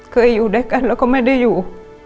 เคยอยู่ด้วยกันแล้วก็ไม่ได้อยู่